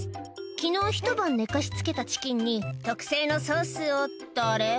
「昨日ひと晩寝かし漬けたチキンに特製のソースをってあれ？